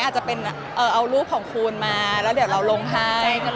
อาจจะเป็นเอารูปของคุณมาแล้วเดี๋ยวเราลงให้